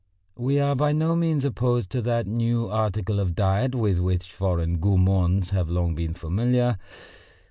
We are by no means opposed to that new article of diet with which foreign gourmands have long been familiar.